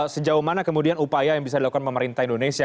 sejauh mana kemudian upaya yang bisa dilakukan pemerintah indonesia